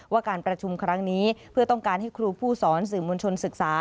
ว่าการประชุมครั้งนี้เพื่อต้องการให้ครูผู้สอนสื่อมวลชนศึกษา